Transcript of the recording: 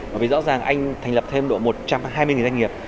bởi vì rõ ràng anh thành lập thêm độ một trăm hai mươi doanh nghiệp